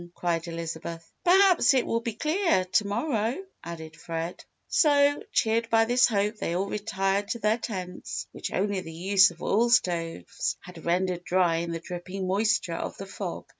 cried Elizabeth. "Perhaps it will be clear to morrow," added Fred. So, cheered by this hope they all retired to their tents which only the use of oil stoves had rendered dry in the dripping moisture of the fog.